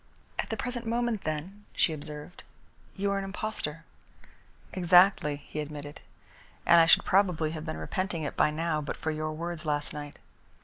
"At the present moment, then," she observed, "you are an impostor." "Exactly," he admitted, "and I should probably have been repenting it by now but for your words last night."